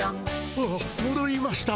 あっもどりました。